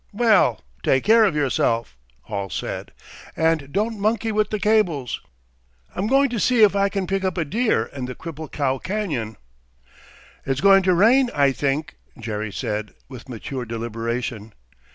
"Well, take care of yourself," Hall said, "and don't monkey with the cables. I'm goin' to see if I can pick up a deer in the Cripple Cow Cañon." "It's goin' to rain, I think," Jerry said, with mature deliberation.